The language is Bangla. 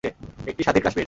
একটি স্বাধীন কাশ্মীর।